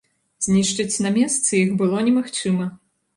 Знішчыць на месцы іх было немагчыма.